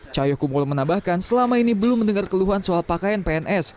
cahyokumul menambahkan selama ini belum mendengar keluhan soal pakaian pns